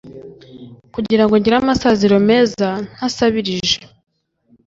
kugira ngo ngire amasaziro meza ntasabirije